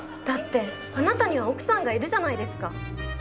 だってあなたには奥さんがいるじゃないですか。